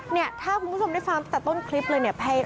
ถ้าคุณผู้ชมได้ฟังตั้งแต่ต้นคลิปเลย